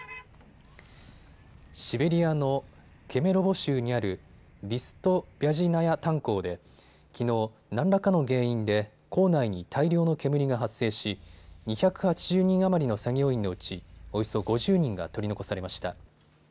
シベリアのケメロボ州にあるリストビャジナヤ炭鉱できのう、何らかの原因で坑内に大量の煙が発生し２８０人余りの作業員のうちおよそ５０人が取り残されました。